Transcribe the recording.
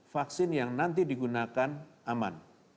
vaksin yang nanti digunakan aman